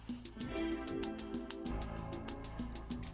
dia sama mama udah nyiapin ruangan vip buat mas dewa